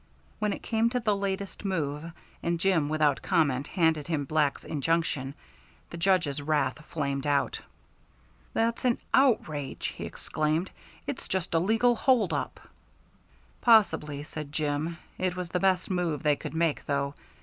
When it came to the latest move, and Jim without comment handed him Black's injunction, the Judge's wrath flamed out. "That's an outrage!" he exclaimed. "It's just a legal hold up." "Possibly," said Jim. "It was the best move they could make, though.